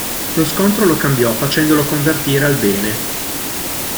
Lo scontro lo cambiò, facendolo convertire al bene.